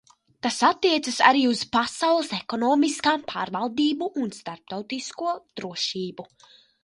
Tas attiecas arī uz pasaules ekonomikas pārvaldību un starptautisko drošību.